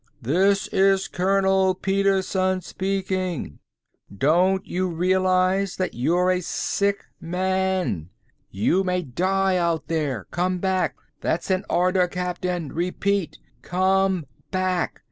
THIS IS COLONEL PETERSEN SPEAKING. DON'T YOU REALIZE THAT YOU'RE A SICK MAN? YOU MAY DIE OUT THERE. COME BACK. THAT'S AN ORDER, CAPTAIN. REPEAT: COME BACK.